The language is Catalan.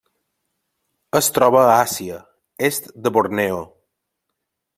Es troba a Àsia: est de Borneo.